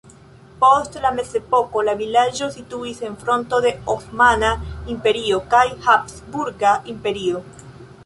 Post la mezepoko la vilaĝo situis en fronto de Osmana Imperio kaj Habsburga Imperio.